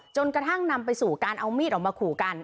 จนกระทั่งนำไปสู่การเอามีดออกมาขู่กัน